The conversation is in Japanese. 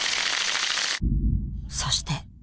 そして。